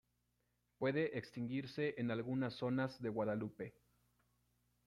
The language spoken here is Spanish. Puede extinguirse en algunas zonas de Guadalupe.